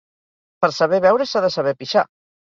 Per saber beure, s'ha de saber pixar.